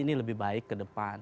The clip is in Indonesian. ini lebih baik ke depan